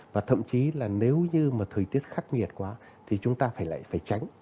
và thậm chí là nếu như mà thời tiết khắc nghiệt quá thì chúng ta phải lại phải tránh